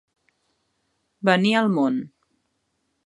Venir al món.